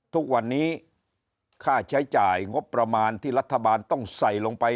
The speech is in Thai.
ทุกวันนี้ค่าใช้จ่ายงบประมาณที่รัฐบาลต้องใส่ลงไป